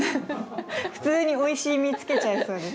普通においしい実つけちゃいそうです